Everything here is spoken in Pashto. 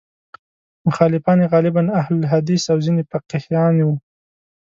مخالفان یې غالباً اهل حدیث او ځینې فقیهان وو.